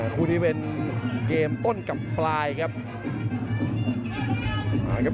ผู้ที่เป็นเกมต้นกับปลายครับ